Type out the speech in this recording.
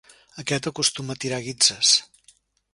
Aquest acostuma a tirar guitzes.